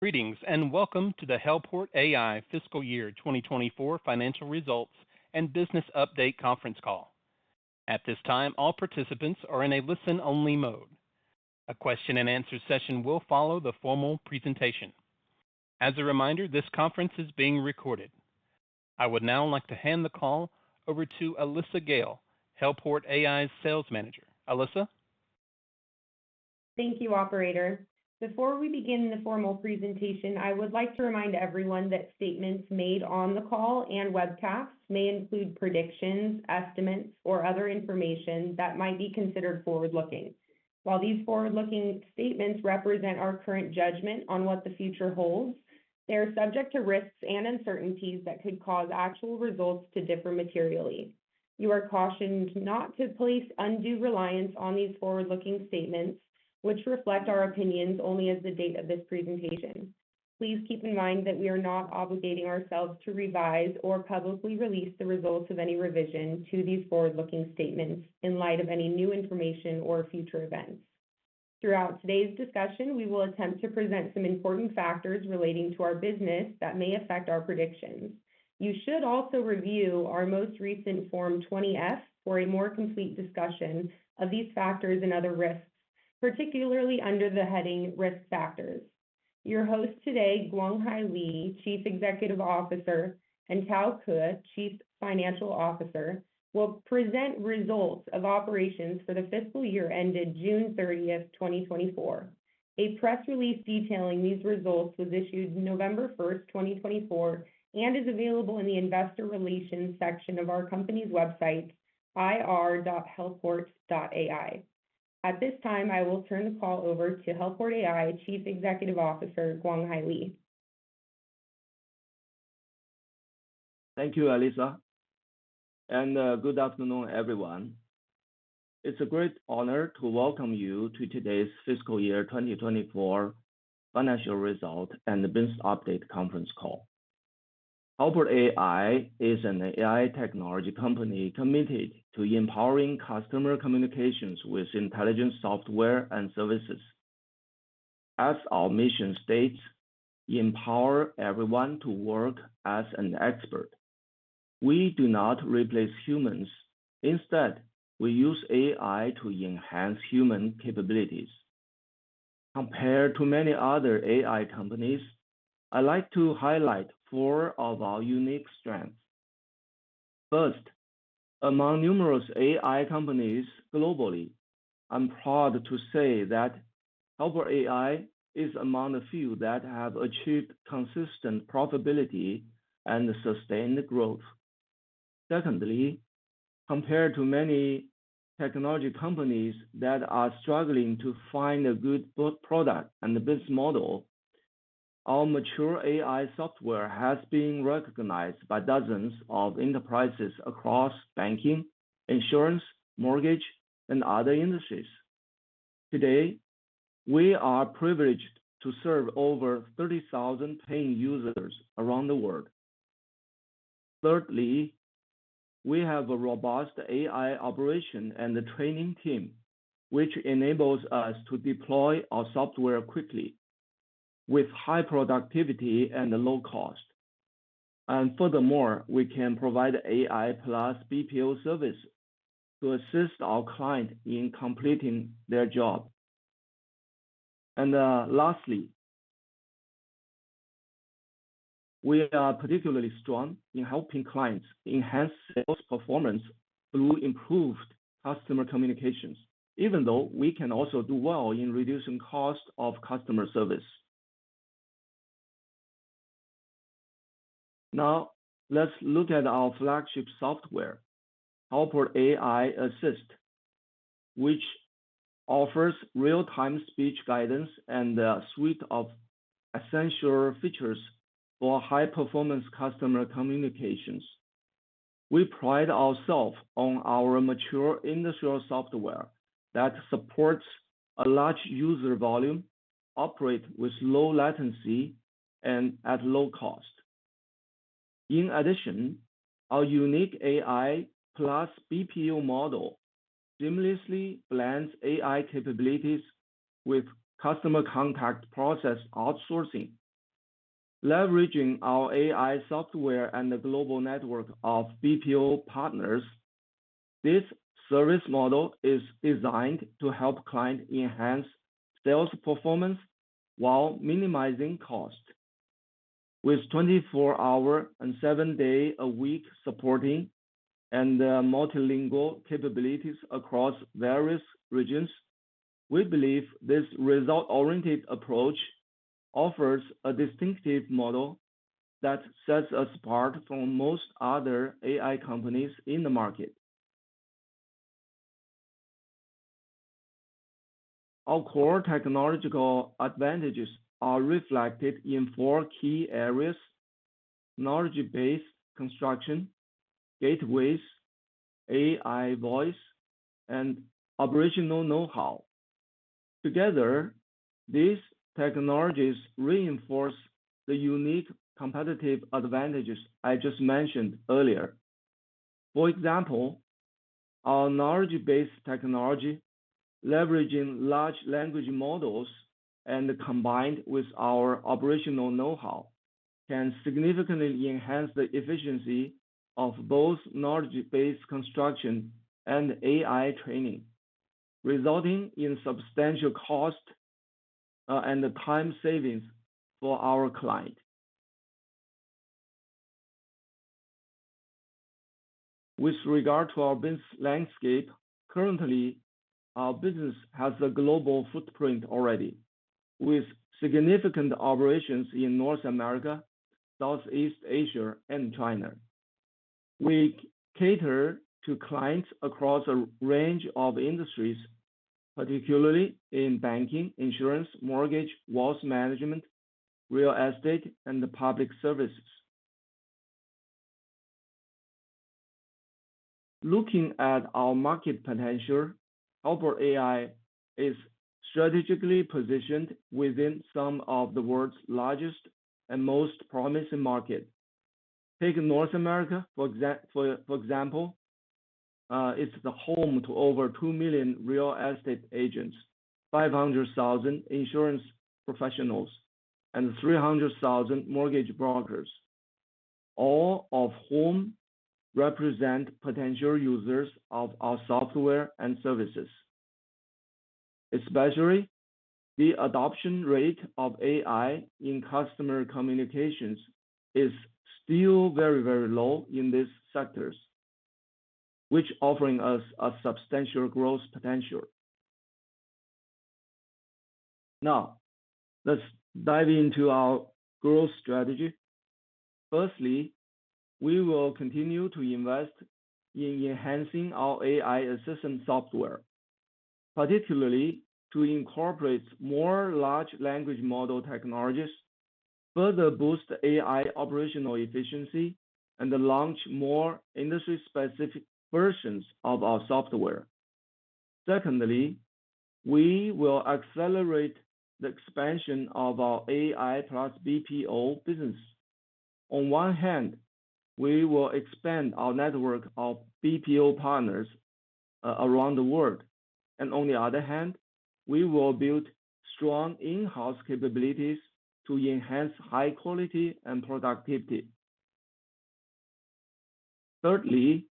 Greetings and welcome to the Helport AI FY 2024 Financial Results and Business Update conference call. At this time, all participants are in a listen-only mode. A question-and-answer session will follow the formal presentation. As a reminder, this conference is being recorded. I would now like to hand the call over to Alyssa Gale, Helport AI's Sales Manager. Alyssa. Thank you, Operator. Before we begin the formal presentation, I would like to remind everyone that statements made on the call and webcast may include predictions, estimates, or other information that might be considered forward-looking. While these forward-looking statements represent our current judgment on what the future holds, they are subject to risks and uncertainties that could cause actual results to differ materially. You are cautioned not to place undue reliance on these forward-looking statements, which reflect our opinions only as of the date of this presentation. Please keep in mind that we are not obligating ourselves to revise or publicly release the results of any revision to these forward-looking statements in light of any new information or future events. Throughout today's discussion, we will attempt to present some important factors relating to our business that may affect our predictions. You should also review our most recent Form 20-F for a more complete discussion of these factors and other risks, particularly under the heading "Risk Factors." Your hosts today, Guanghai Li, Chief Executive Officer, and Tao Ke, Chief Financial Officer, will present results of operations for the fiscal year ended June 30th, 2024. A press release detailing these results was issued November 1st, 2024, and is available in the Investor Relations section of our company's website, ir.helport.ai. At this time, I will turn the call over to Helport AI Chief Executive Officer, Guanghai Li. Thank you, Alyssa, and good afternoon, everyone. It's a great honor to welcome you to today's FY 2024 Financial Results and Business Update conference call. Helport AI is an AI technology company committed to empowering customer communications with intelligent software and services. As our mission states, "Empower everyone to work as an expert." We do not replace humans; instead, we use AI to enhance human capabilities. Compared to many other AI companies, I'd like to highlight four of our unique strengths. First, among numerous AI companies globally, I'm proud to say that Helport AI is among the few that have achieved consistent profitability and sustained growth. Secondly, compared to many technology companies that are struggling to find a good product and business model, our mature AI software has been recognized by dozens of enterprises across banking, insurance, mortgage, and other industries. Today, we are privileged to serve over 30,000 paying users around the world. Thirdly, we have a robust AI operation and training team, which enables us to deploy our software quickly, with high productivity and low cost, and furthermore, we can provide AI plus BPO services to assist our clients in completing their job, and lastly, we are particularly strong in helping clients enhance sales performance through improved customer communications, even though we can also do well in reducing cost of customer service. Now, let's look at our flagship software, Helport AI Assist, which offers real-time speech guidance and a suite of essential features for high-performance customer communications. We pride ourselves on our mature industrial software that supports a large user volume, operates with low latency, and at low cost. In addition, our unique AI plus BPO model seamlessly blends AI capabilities with customer contact process outsourcing. Leveraging our AI software and the global network of BPO partners, this service model is designed to help clients enhance sales performance while minimizing cost. With 24-hour and 7-day-a-week supporting and multilingual capabilities across various regions, we believe this result-oriented approach offers a distinctive model that sets us apart from most other AI companies in the market. Our core technological advantages are reflected in four key areas: technology-based construction, gateways, AI voice, and operational know-how. Together, these technologies reinforce the unique competitive advantages I just mentioned earlier. For example, our knowledge-based technology, leveraging large language models and combined with our operational know-how, can significantly enhance the efficiency of both knowledge base construction and AI training, resulting in substantial cost and time savings for our client. With regard to our business landscape, currently, our business has a global footprint already, with significant operations in North America, Southeast Asia, and China. We cater to clients across a range of industries, particularly in banking, insurance, mortgage, wealth management, real estate, and public services. Looking at our market potential, Helport AI is strategically positioned within some of the world's largest and most promising markets. Take North America, for example. It's the home to over 2 million real estate agents, 500,000 insurance professionals, and 300,000 mortgage brokers, all of whom represent potential users of our software and services. Especially, the adoption rate of AI in customer communications is still very, very low in these sectors, which is offering us a substantial growth potential. Now, let's dive into our growth strategy. Firstly, we will continue to invest in enhancing our AI assistant software, particularly to incorporate more large language model technologies, further boost AI operational efficiency, and launch more industry-specific versions of our software. Secondly, we will accelerate the expansion of our AI plus BPO business. On one hand, we will expand our network of BPO partners around the world, and on the other hand, we will build strong in-house capabilities to enhance high quality and productivity. Thirdly,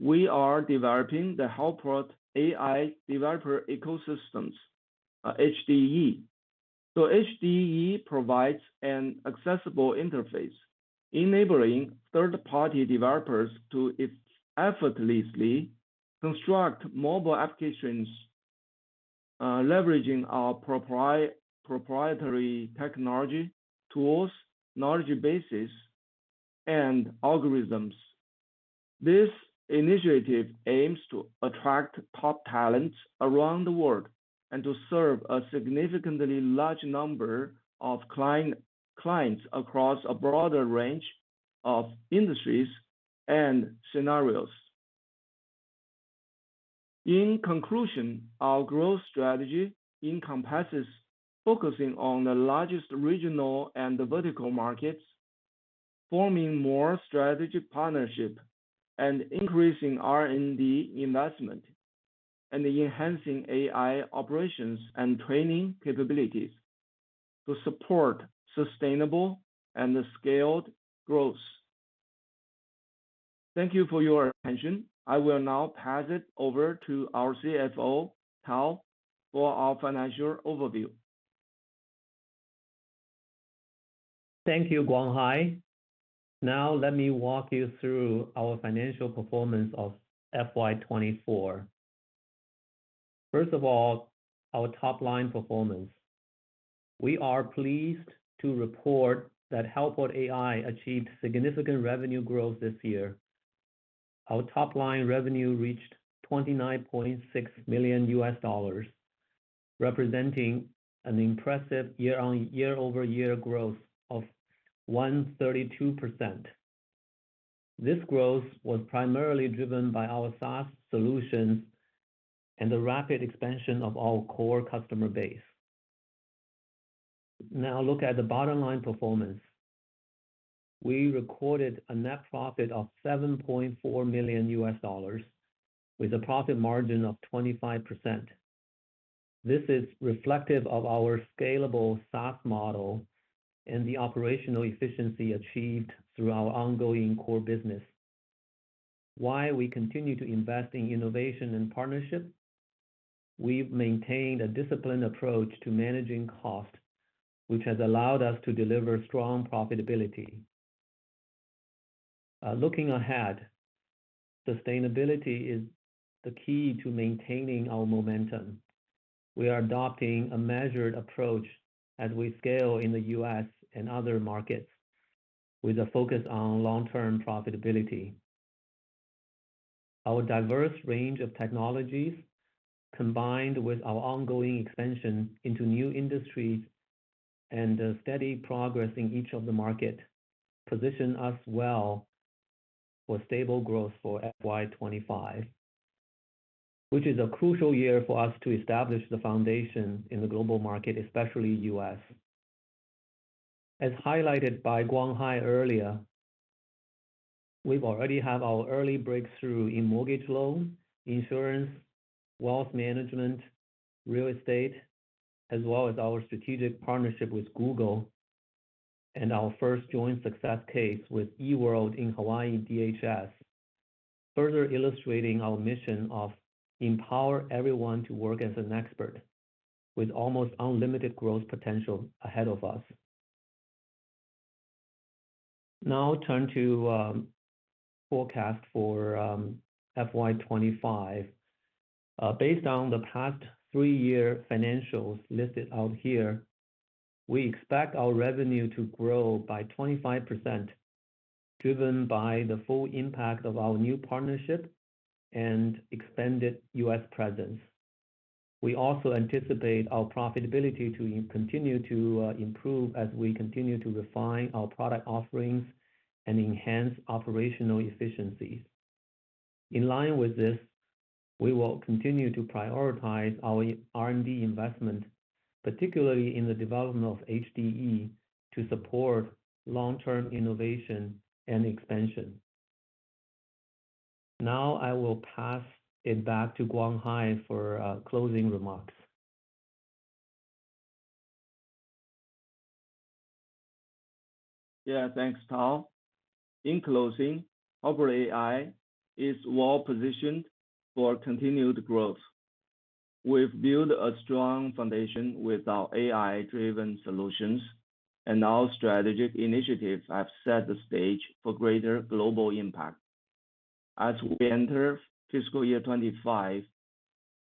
we are developing the Helport AI Developer Ecosystem, HDE. So HDE provides an accessible interface, enabling third-party developers to effortlessly construct mobile applications leveraging our proprietary technology, tools, knowledge bases, and algorithms. This initiative aims to attract top talents around the world and to serve a significantly large number of clients across a broader range of industries and scenarios. In conclusion, our growth strategy encompasses focusing on the largest regional and vertical markets, forming more strategic partnerships, and increasing R&D investment, and enhancing AI operations and training capabilities to support sustainable and scaled growth. Thank you for your attention. I will now pass it over to our CFO, Tao, for our financial overview. Thank you, Guanghai. Now, let me walk you through our financial performance of FY 2024. First of all, our top-line performance. We are pleased to report that Helport AI achieved significant revenue growth this year. Our top-line revenue reached $29.6 million, representing an impressive year-over-year growth of 132%. This growth was primarily driven by our SaaS solutions and the rapid expansion of our core customer base. Now, look at the bottom-line performance. We recorded a net profit of $7.4 million, with a profit margin of 25%. This is reflective of our scalable SaaS model and the operational efficiency achieved through our ongoing core business. Why we continue to invest in innovation and partnership? We've maintained a disciplined approach to managing cost, which has allowed us to deliver strong profitability. Looking ahead, sustainability is the key to maintaining our momentum. We are adopting a measured approach as we scale in the U.S. and other markets, with a focus on long-term profitability. Our diverse range of technologies, combined with our ongoing expansion into new industries and steady progress in each of the markets, position us well for stable growth for FY 2025, which is a crucial year for us to establish the foundation in the global market, especially the U.S. As highlighted by Guanghai earlier, we already have our early breakthrough in mortgage loans, insurance, wealth management, real estate, as well as our strategic partnership with Google and our first joint success case with eWorld Enterprise Solutions in Hawaii DHS, further illustrating our mission of empowering everyone to work as an expert, with almost unlimited growth potential ahead of us. Now, turn to the forecast for FY 2025. Based on the past three-year financials listed out here, we expect our revenue to grow by 25%, driven by the full impact of our new partnership and extended U.S. presence. We also anticipate our profitability to continue to improve as we continue to refine our product offerings and enhance operational efficiencies. In line with this, we will continue to prioritize our R&D investment, particularly in the development of HDE, to support long-term innovation and expansion. Now, I will pass it back to Guanghai for closing remarks. Yeah, thanks, Tao. In closing, Helport AI is well-positioned for continued growth. We've built a strong foundation with our AI-driven solutions, and our strategic initiatives have set the stage for greater global impact. As we enter fiscal year 2025,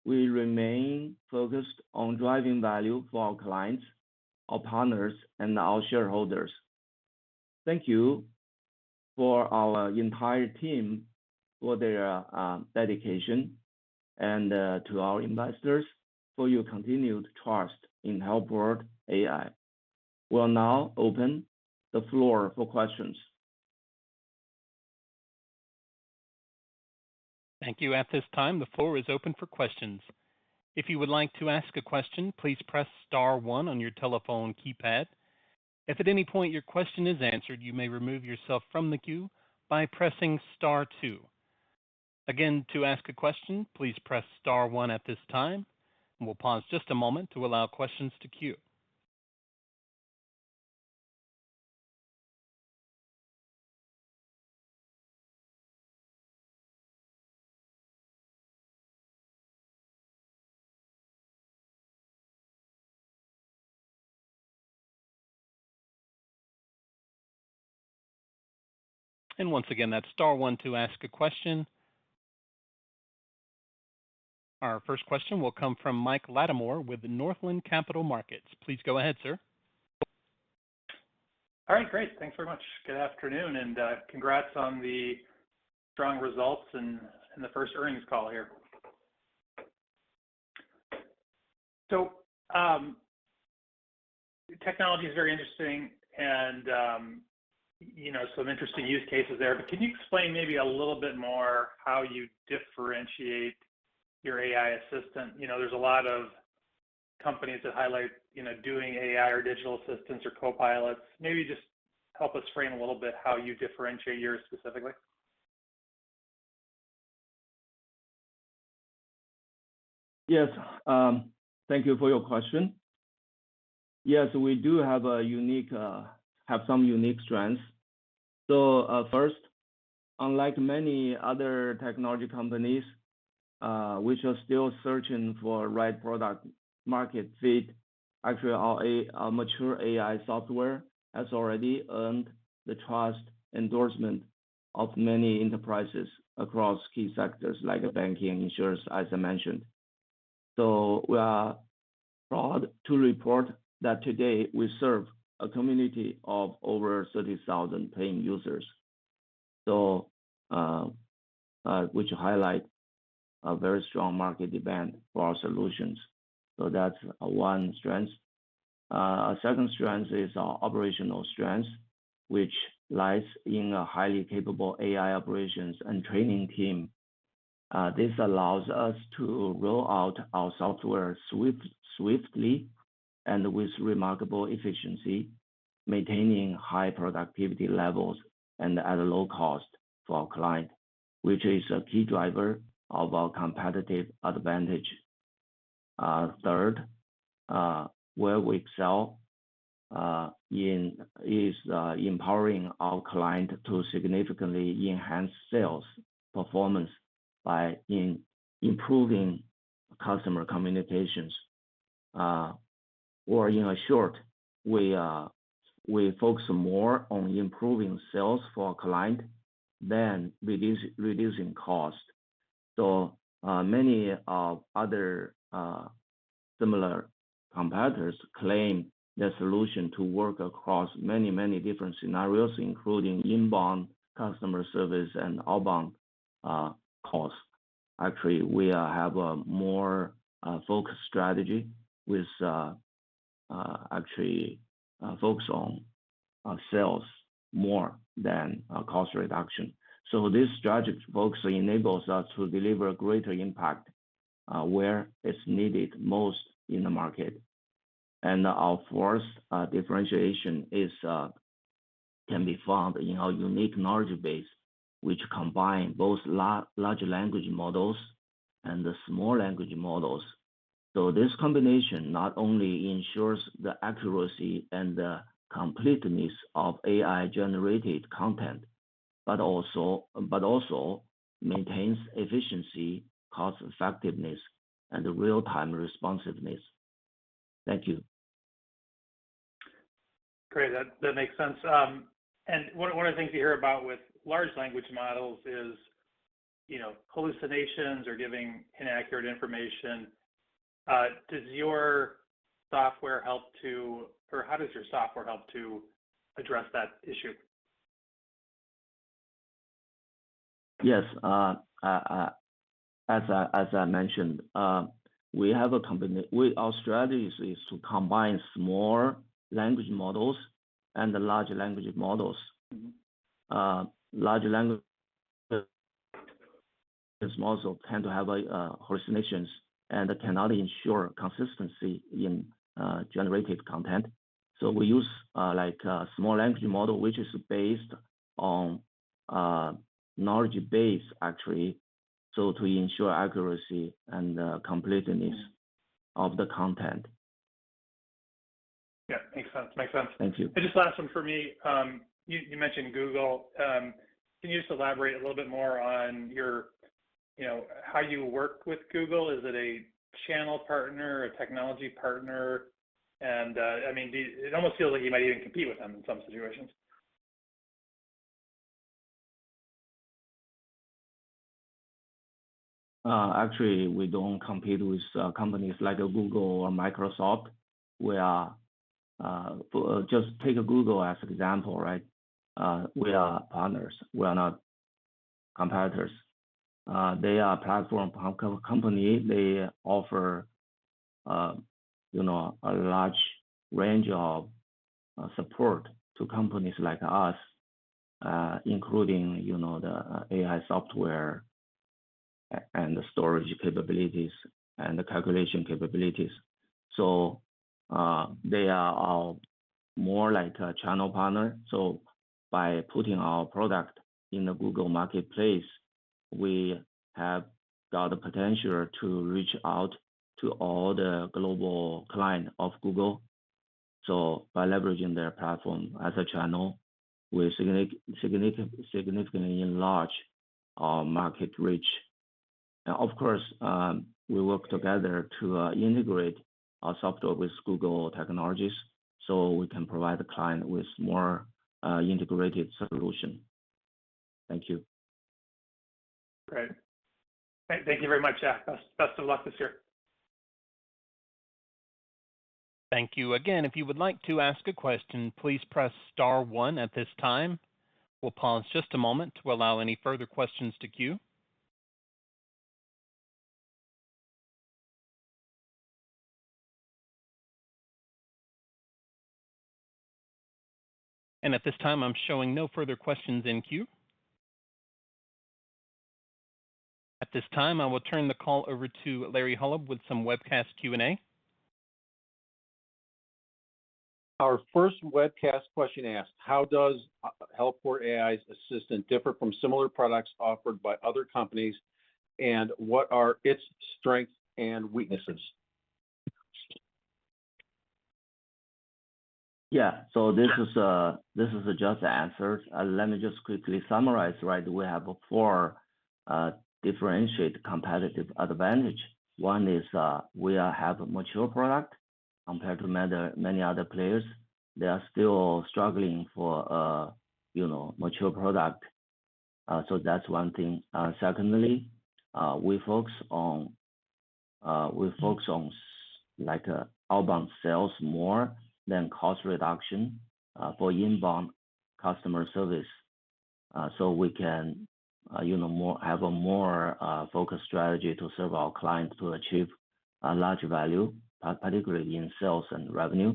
we remain focused on driving value for our clients, our partners, and our shareholders. Thank you to our entire team for their dedication, and to our investors for your continued trust in Helport AI. We'll now open the floor for questions. Thank you. At this time, the floor is open for questions. If you would like to ask a question, please press star one on your telephone keypad. If at any point your question is answered, you may remove yourself from the queue by pressing star two. Again, to ask a question, please press star one at this time. We'll pause just a moment to allow questions to queue. And once again, that's star one to ask a question. Our first question will come from Mike Latimore with Northland Capital Markets. Please go ahead, sir. All right, great. Thanks very much. Good afternoon, and congrats on the strong results and the first earnings call here. So, technology is very interesting, and some interesting use cases there. Can you explain maybe a little bit more how you differentiate your AI assistant? There's a lot of companies that highlight doing AI or digital assistants or copilots. Maybe just help us frame a little bit how you differentiate yours specifically. Yes, thank you for your question. Yes, we do have some unique strengths. First, unlike many other technology companies, which are still searching for the right product market fit, actually, our mature AI software has already earned the trust endorsement of many enterprises across key sectors like banking and insurance, as I mentioned. So, we are proud to report that today we serve a community of over 30,000 paying users, which highlights a very strong market demand for our solutions. That's one strength. Our second strength is our operational strength, which lies in a highly capable AI operations and training team. This allows us to roll out our software swiftly and with remarkable efficiency, maintaining high productivity levels and at a low cost for our client, which is a key driver of our competitive advantage. Third, where we excel is empowering our client to significantly enhance sales performance by improving customer communications. Or in short, we focus more on improving sales for our client than reducing cost. Many other similar competitors claim their solution to work across many, many different scenarios, including inbound customer service and outbound costs. Actually, we have a more focused strategy with actually focusing on sales more than cost reduction. This strategic focus enables us to deliver a greater impact where it's needed most in the market. Our first differentiation can be found in our unique knowledge base, which combines both large language models and the small language models. So, this combination not only ensures the accuracy and the completeness of AI-generated content, but also maintains efficiency, cost-effectiveness, and real-time responsiveness. Thank you. Great. That makes sense, and one of the things we hear about with large language models is hallucinations or giving inaccurate information. Does your software help to, or how does your software help to address that issue? Yes. As I mentioned, our strategy is to combine small language models and large language models. Large language models tend to have hallucinations and cannot ensure consistency in generated content. So, we use a small language model, which is based on knowledge base, actually, to ensure accuracy and completeness of the content. Yeah, makes sense. Thank you. Just last one for me. You mentioned Google. Can you just elaborate a little bit more on how you work with Google? Is it a channel partner, a technology partner? It almost feels like you might even compete with them in some situations. Actually, we don't compete with companies like Google or Microsoft. Just take Google as an example, right? We are partners. We are not competitors. They are a platform company. They offer a large range of support to companies like us, including the AI software and the storage capabilities and the calculation capabilities. So, they are more like a channel partner. By putting our product in the Google Marketplace, we have got the potential to reach out to all the global clients of Google. By leveraging their platform as a channel, we significantly enlarge our market reach. Of course, we work together to integrate our software with Google technologies so we can provide the client with more integrated solutions. Thank you. Great. Thank you very much. Best of luck this year Thank you again. If you would like to ask a question, please press star one at this time. We'll pause just a moment to allow any further questions to queue, and at this time, I'm showing no further questions in queue. At this time, I will turn the call over to Larry Holub with some webcast Q&A. Our first webcast question asked, how does Helport AI's assistant differ from similar products offered by other companies, and what are its strengths and weaknesses? Yeah. This is just an answer. Let me just quickly summarize, right? We have four differentiated competitive advantages. One is we have a mature product compared to many other players. They are still struggling for a mature product. So, that's one thing. Secondly, we focus on outbound sales more than cost reduction for inbound customer service so we can have a more focused strategy to serve our clients to achieve a large value, particularly in sales and revenue.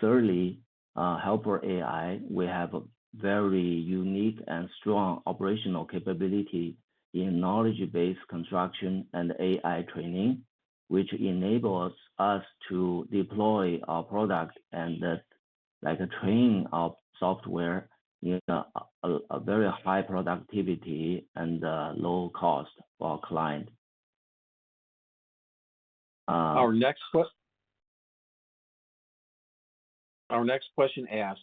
Thirdly, Helport AI, we have a very unique and strong operational capability in knowledge-based construction and AI training, which enables us to deploy our product and train our software at a very high productivity and low cost for our client. Our next question asked,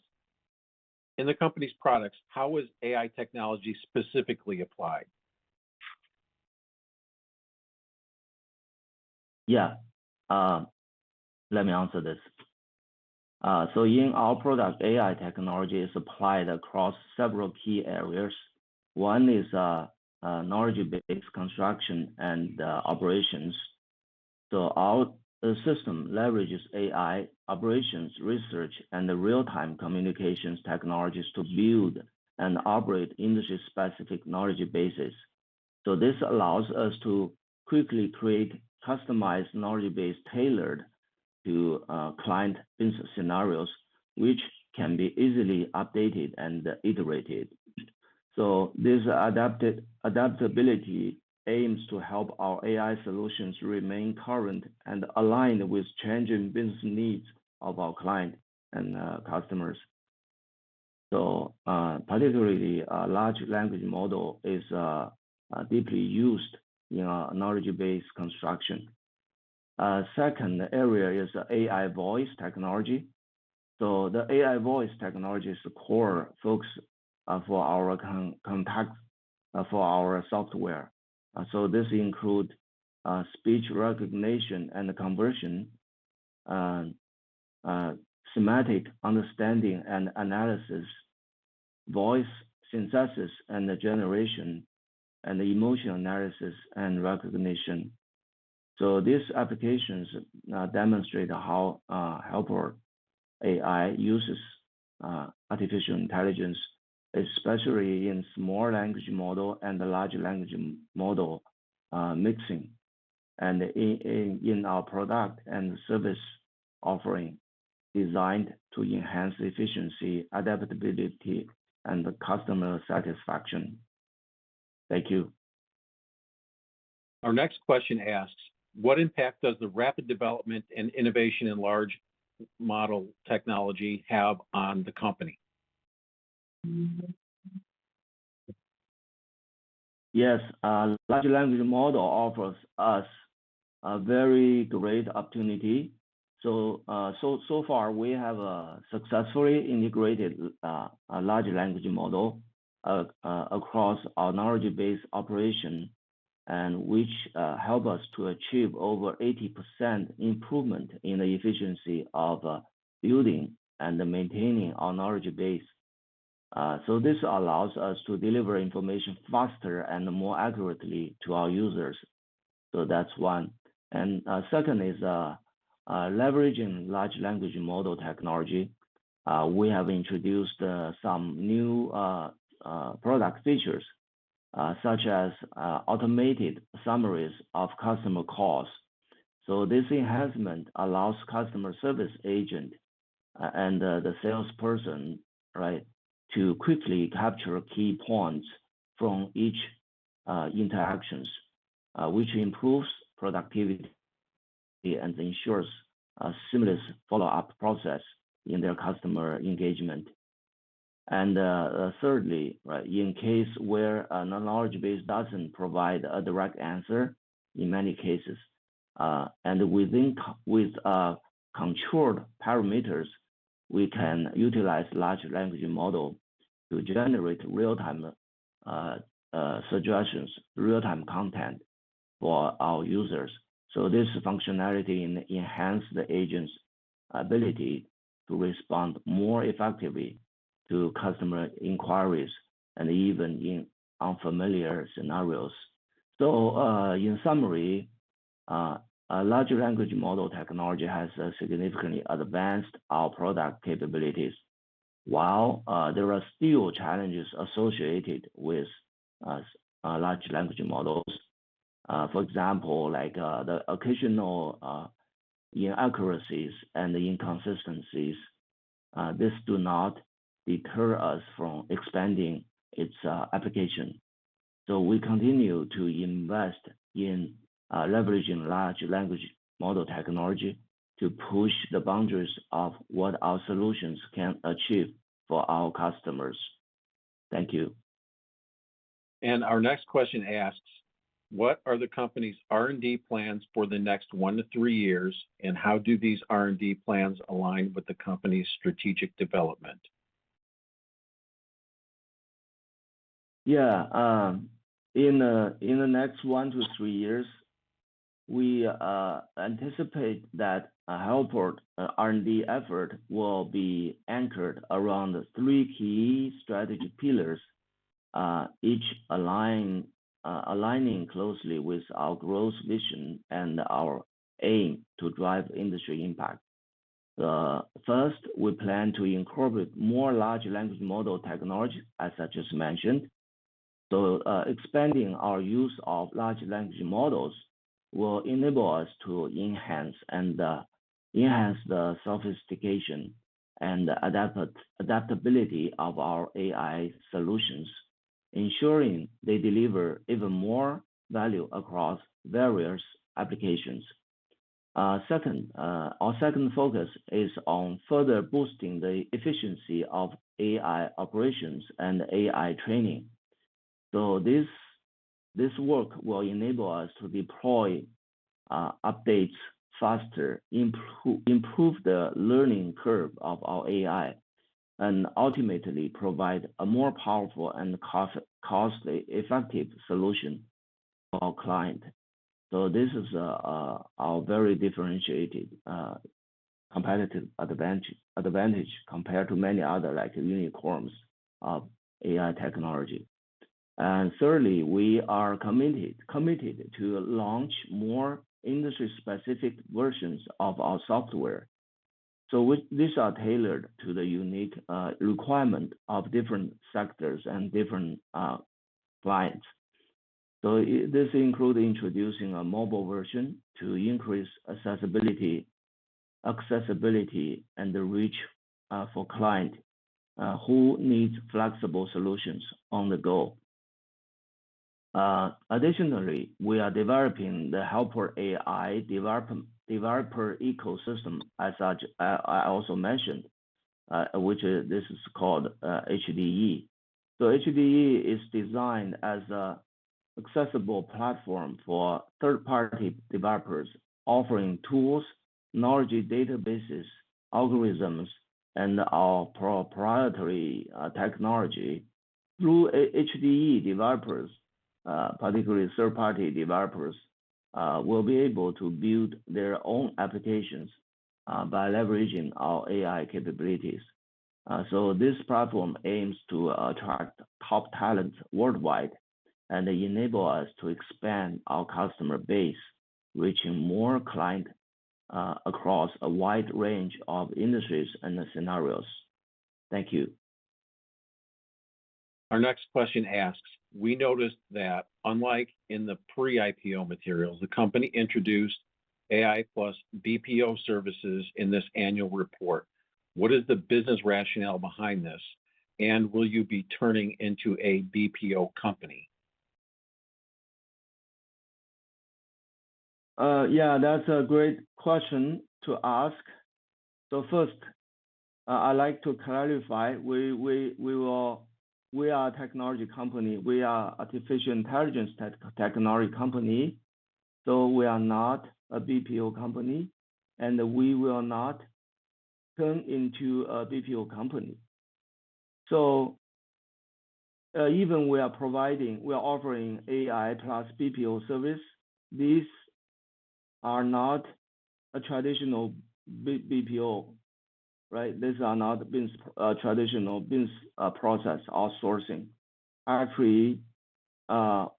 in the company's products, how is AI technology specifically applied? Yeah. Let me answer this. In our product, AI technology is applied across several key areas. One is knowledge-based construction and operations. Our system leverages AI operations, research, and real-time communications technologies to build and operate industry-specific knowledge bases. This allows us to quickly create customized knowledge base tailored to client business scenarios, which can be easily updated and iterated. This adaptability aims to help our AI solutions remain current and aligned with changing business needs of our clients and customers. Particularly, a large language model is deeply used in knowledge-based construction. Second area is AI voice technology. The AI voice technology is the core focus for our software. This includes speech recognition and conversion, semantic understanding and analysis, voice synthesis and generation, and emotional analysis and recognition. These applications demonstrate how Helport AI uses artificial intelligence, especially in small language model and large language model mixing, and in our product and service offering designed to enhance efficiency, adaptability, and customer satisfaction. Thank you. Our next question asks, what impact does the rapid development and innovation in large model technology have on the company? Yes. Large language model offers us a very great opportunity. So far, we have successfully integrated a large language model across our knowledge-based operation, which helps us to achieve over 80% improvement in the efficiency of building and maintaining our knowledge base. This allows us to deliver information faster and more accurately to our users. So, that's one. Second is leveraging large language model technology. We have introduced some new product features, such as automated summaries of customer calls. So, this enhancement allows customer service agent and the salesperson to quickly capture key points from each interaction, which improves productivity and ensures a seamless follow-up process in their customer engagement. Thirdly, in cases where knowledge base doesn't provide a direct answer in many cases, and with controlled parameters, we can utilize large language model to generate real-time suggestions, real-time content for our users. This functionality enhances the agent's ability to respond more effectively to customer inquiries and even in unfamiliar scenarios. In summary, a large language model technology has significantly advanced our product capabilities. While there are still challenges associated with large language models, for example, the occasional inaccuracies and inconsistencies, this does not deter us from expanding its application. We continue to invest in leveraging large language model technology to push the boundaries of what our solutions can achieve for our customers. Thank you. Our next question asks, what are the company's R&D plans for the next one to three years, and how do these R&D plans align with the company's strategic development? Yeah. In the next one to three years, we anticipate that Helport R&D effort will be anchored around three key strategy pillars, each aligning closely with our growth mission and our aim to drive industry impact. First, we plan to incorporate more large language model technology, as I just mentioned, so expanding our use of large language models will enable us to enhance the sophistication and adaptability of our AI solutions, ensuring they deliver even more value across various applications. Our second focus is on further boosting the efficiency of AI operations and AI training, so this work will enable us to deploy updates faster, improve the learning curve of our AI, and ultimately provide a more powerful and cost-effective solution for our client, so this is our very differentiated competitive advantage compared to many other unicorns of AI technology. Thirdly, we are committed to launch more industry-specific versions of our software. These are tailored to the unique requirement of different sectors and different clients. This includes introducing a mobile version to increase accessibility and reach for clients who need flexible solutions on the go. Additionally, we are developing the Helport AI developer ecosystem, as I also mentioned, which this is called HDE. HDE is designed as an accessible platform for third-party developers offering tools, knowledge databases, algorithms, and our proprietary technology. Through HDE developers, particularly third-party developers, will be able to build their own applications by leveraging our AI capabilities. This platform aims to attract top talents worldwide and enable us to expand our customer base, reaching more clients across a wide range of industries and scenarios. Thank you. Our next question asks: We noticed that unlike in the pre-IPO materials, the company introduced AI plus BPO services in this annual report. What is the business rationale behind this, and will you be turning into a BPO company? Yeah, that's a great question to ask. First, I'd like to clarify, we are a technology company. We are an artificial intelligence technology company. So, we are not a BPO company, and we will not turn into a BPO company. Even we are offering AI plus BPO service, these are not a traditional BPO. Right? These are not a traditional BPO process outsourcing. Actually, our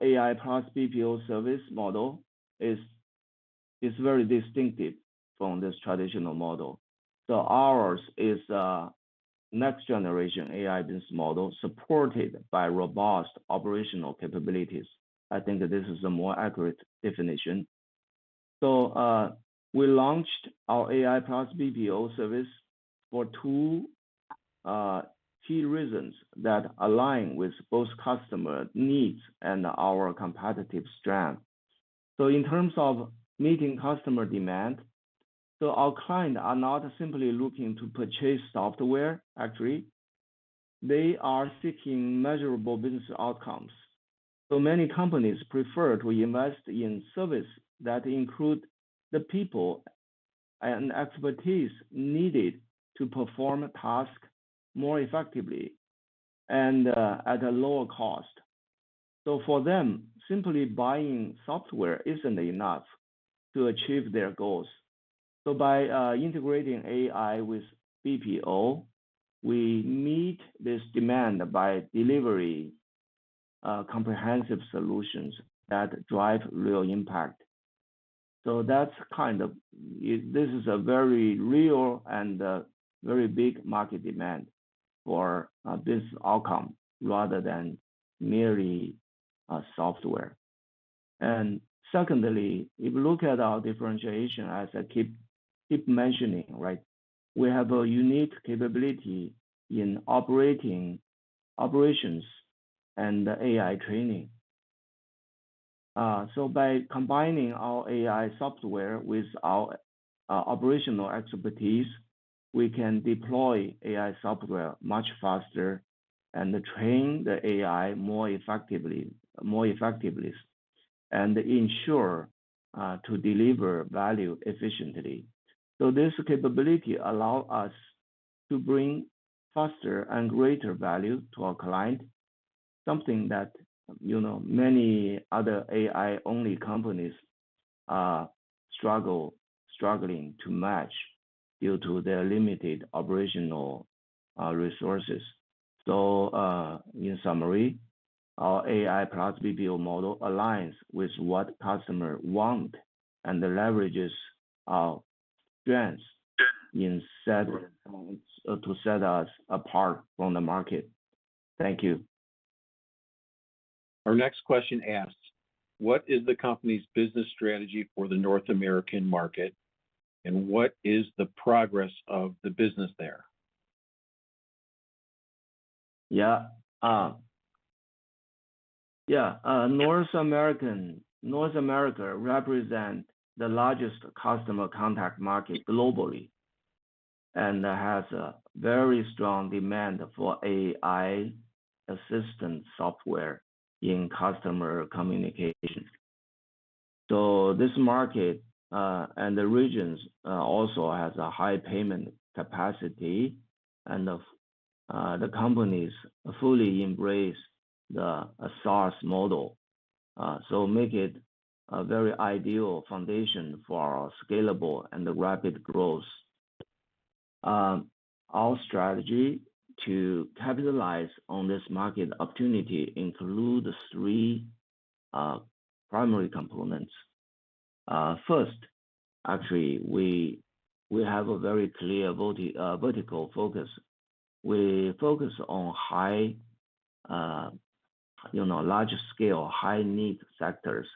AI plus BPO service model is very distinctive from this traditional model. Ours is a next-generation AI BPO model supported by robust operational capabilities. I think that this is a more accurate definition. So, we launched our AI plus BPO service for two key reasons that align with both customer needs and our competitive strength. In terms of meeting customer demand, so our clients are not simply looking to purchase software, actually. They are seeking measurable business outcomes. Many companies prefer to invest in services that include the people and expertise needed to perform tasks more effectively and at a lower cost. For them, simply buying software isn't enough to achieve their goals. By integrating AI with BPO, we meet this demand by delivering comprehensive solutions that drive real impact. This is a very real and very big market demand for this outcome rather than merely software. Secondly, if you look at our differentiation, as I keep mentioning, right, we have a unique capability in operations and AI training. By combining our AI software with our operational expertise, we can deploy AI software much faster and train the AI more effectively and ensure to deliver value efficiently. This capability allows us to bring faster and greater value to our client, something that many other AI-only companies are struggling to match due to their limited operational resources. In summary, our AI plus BPO model aligns with what customers want and leverages our strengths to set us apart from the market. Thank you. Our next question asks, what is the company's business strategy for the North American market, and what is the progress of the business there? Yeah. North America represents the largest customer contact market globally and has a very strong demand for AI assistance software in customer communications. This market and the regions also have a high payment capacity, and the companies fully embrace the SaaS model. Make it a very ideal foundation for our scalable and rapid growth. Our strategy to capitalize on this market opportunity includes three primary components. First, actually, we have a very clear vertical focus. We focus on large-scale, high-need sectors.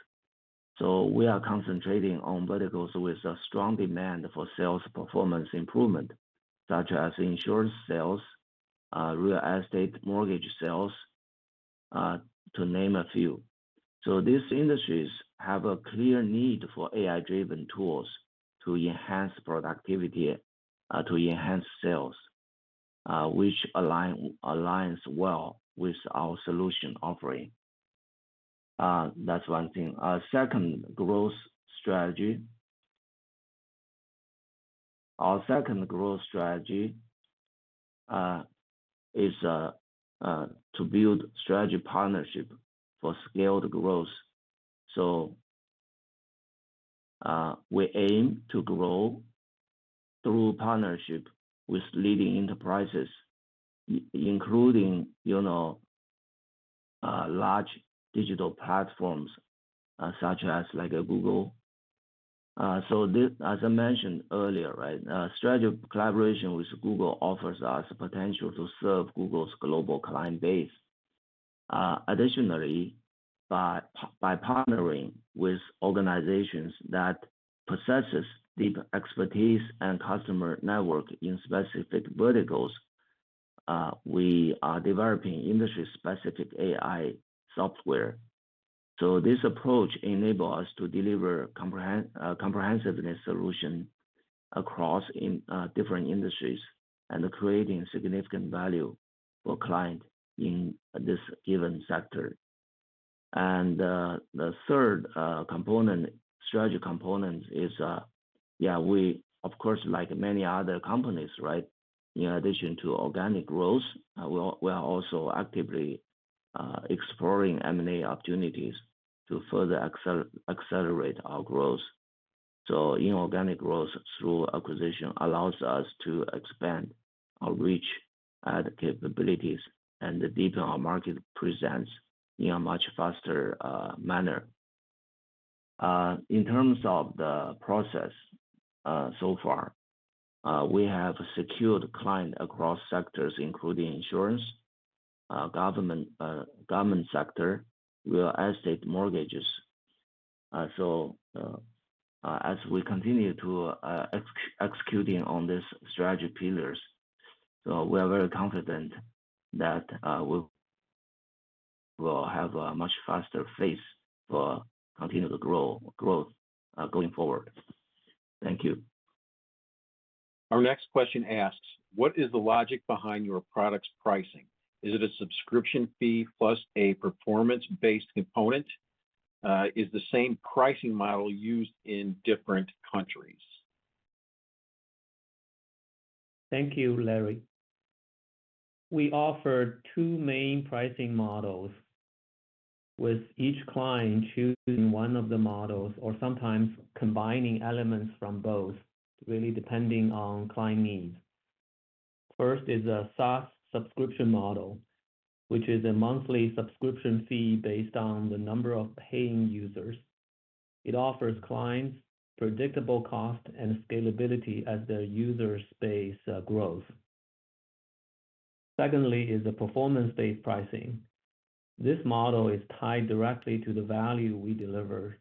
We are concentrating on verticals with a strong demand for sales performance improvement, such as insurance sales, real estate mortgage sales, to name a few. These industries have a clear need for AI-driven tools to enhance productivity, to enhance sales, which aligns well with our solution offering. That's one thing. Our second growth strategy is to build strategic partnerships for scaled growth. We aim to grow through partnerships with leading enterprises, including large digital platforms such as Google. As I mentioned earlier, right, strategic collaboration with Google offers us the potential to serve Google's global client base. Additionally, by partnering with organizations that possess deep expertise and customer networks in specific verticals, we are developing industry-specific AI software. This approach enables us to deliver comprehensive solutions across different industries and creating significant value for clients in this given sector. The third strategy component is, of course, like many other companies, right, in addition to organic growth, we are also actively exploring M&A opportunities to further accelerate our growth. Inorganic growth through acquisition allows us to expand our reach and capabilities and deepen our market presence in a much faster manner. In terms of the process so far, we have secured clients across sectors, including insurance, government sector, real estate, mortgages. As we continue to execute on these strategy pillars, we are very confident that we will have a much faster pace for continued growth going forward. Thank you. Our next question asks, what is the logic behind your product's pricing? Is it a subscription fee plus a performance-based component? Is the same pricing model used in different countries? Thank you, Larry. We offer two main pricing models with each client choosing one of the models or sometimes combining elements from both, really depending on client needs. First is a SaaS subscription model, which is a monthly subscription fee based on the number of paying users. It offers clients predictable cost and scalability as their user space grows. Secondly is the performance-based pricing. This model is tied directly to the value we deliver.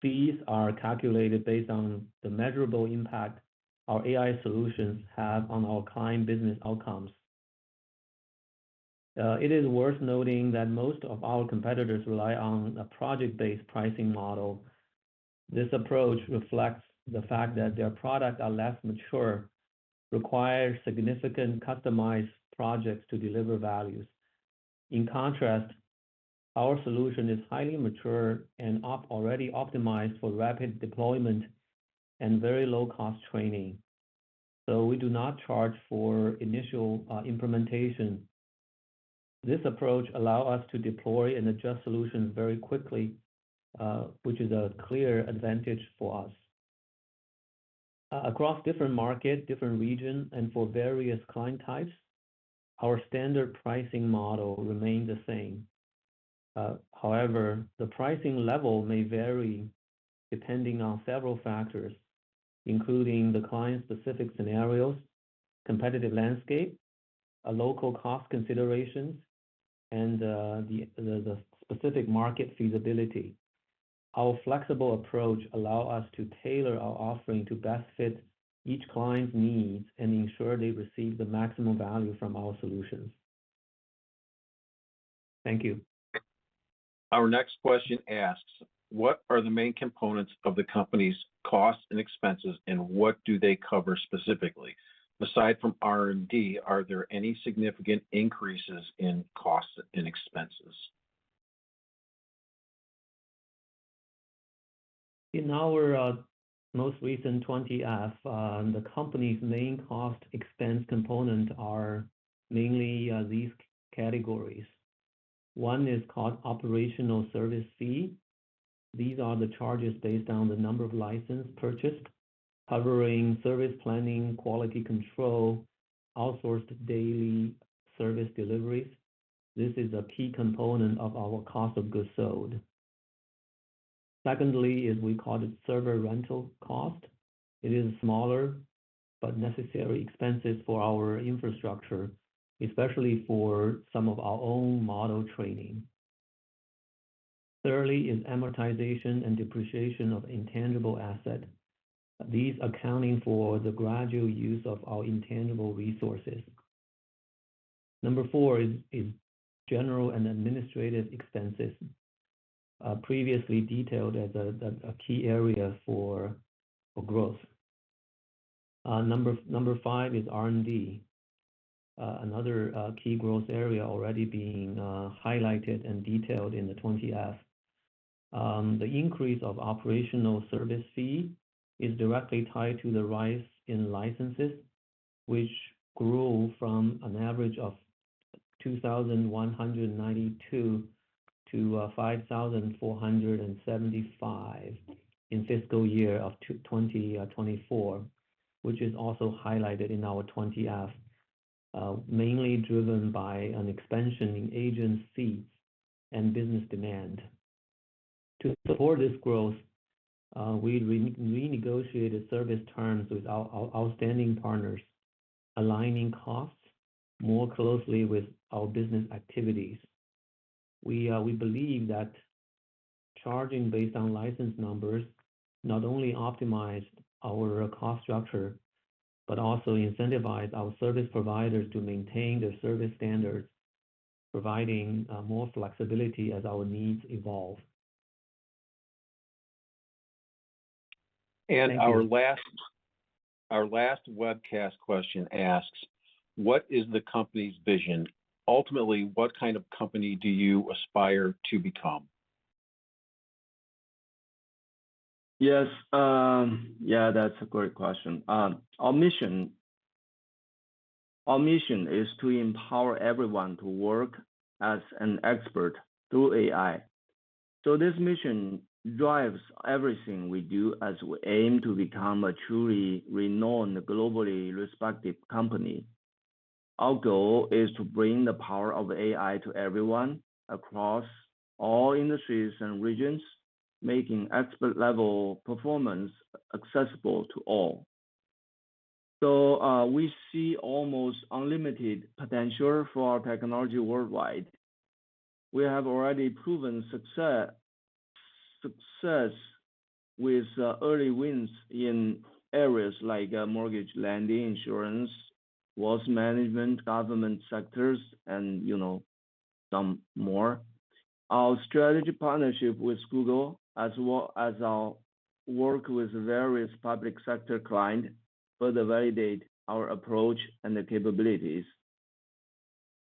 Fees are calculated based on the measurable impact our AI solutions have on our client business outcomes. It is worth noting that most of our competitors rely on a project-based pricing model. This approach reflects the fact that their products are less mature, require significant customized projects to deliver values. In contrast, our solution is highly mature and already optimized for rapid deployment and very low-cost training, so we do not charge for initial implementation. This approach allow us to deploy and adjust solutions very quickly, which is a clear advantage for us. Across different markets, different regions, and for various client types, our standard pricing model remains the same. However, the pricing level may vary depending on several factors, including the client-specific scenarios, competitive landscape, local cost considerations, and the specific market feasibility. Our flexible approach allows us to tailor our offering to best fit each client's needs and ensure they receive the maximum value from our solutions. Thank you. Our next question asks, what are the main components of the company's costs and expenses, and what do they cover specifically? Aside from R&D, are there any significant increases in costs and expenses? In our most recent 20-F, the company's main cost expense components are mainly these categories. One is called operational service fee. These are the charges based on the number of licenses purchased, covering service planning, quality control, outsourced daily service deliveries. This is a key component of our cost of goods sold. Secondly is we call it server rental cost. It is a smaller but necessary expense for our infrastructure, especially for some of our own model training. Thirdly is amortization and depreciation of intangible assets. These account for the gradual use of our intangible resources. Number four is general and administrative expenses, previously detailed as a key area for growth. Number five is R&D, another key growth area already being highlighted and detailed in the 20-F. The increase of operational service fee is directly tied to the rise in licenses, which grew from an average of 2,192-5,475 in fiscal year of 2024, which is also highlighted in our 20-F, mainly driven by an expansion in agency and business demand. To support this growth, we renegotiated service terms with outstanding partners, aligning costs more closely with our business activities. We believe that charging based on license numbers not only optimized our cost structure but also incentivized our service providers to maintain their service standards, providing more flexibility as our needs evolve. Our last webcast question asks, what is the company's vision? Ultimately, what kind of company do you aspire to become? Yes, that's a great question. Our mission is to empower everyone to work as an expert through AI. This mission drives everything we do as we aim to become a truly renowned globally respected company. Our goal is to bring the power of AI to everyone across all industries and regions, making expert-level performance accessible to all. We see almost unlimited potential for our technology worldwide. We have already proven success with early wins in areas like mortgage, lending, insurance, wealth management, government sectors, and some more. Our strategic partnership with Google, as well as our work with various public sector clients, further validates our approach and the capabilities.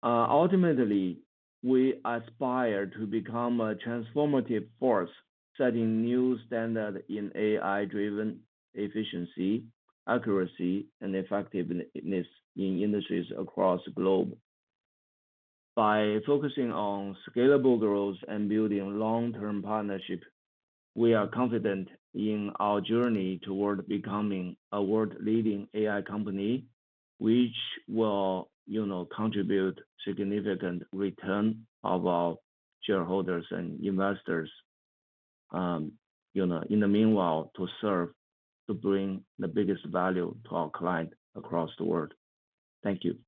Ultimately, we aspire to become a transformative force setting new standards in AI-driven efficiency, accuracy, and effectiveness in industries across the globe. By focusing on scalable growth and building long-term partnerships, we are confident in our journey toward becoming a world-leading AI company, which will contribute a significant return for our shareholders and investors. In the meanwhile, to serve to bring the biggest value to our clients across the world. Thank you.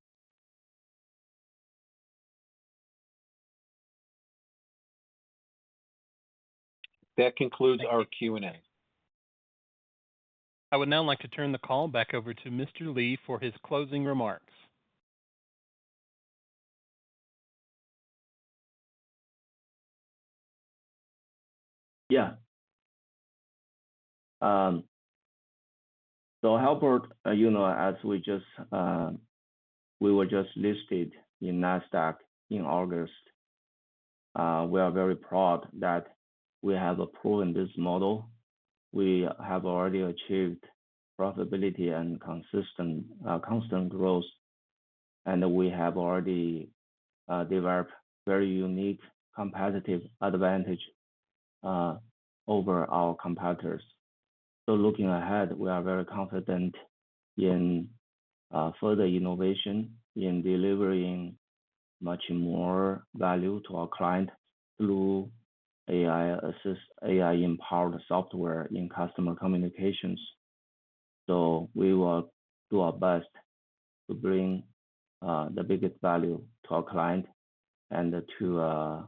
That concludes our Q&A. I would now like to turn the call back over to Mr. Li for his closing remarks. Yeah. Helport, as we were just listed in Nasdaq in August, we are very proud that we have approved this model. We have already achieved profitability and constant growth, and we have already developed a very unique competitive advantage over our competitors. Looking ahead, we are very confident in further innovation in delivering much more value to our clients through AI-empowered software in customer communications. We will do our best to bring the biggest value to our clients and to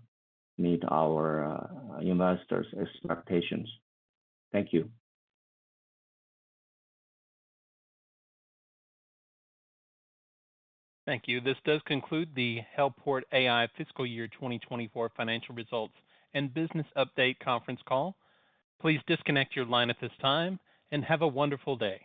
meet our investors' expectations. Thank you. Thank you. This does conclude the Helport AI Fiscal Year 2024 Financial Results and Business Update conference call. Please disconnect your line at this time and have a wonderful day.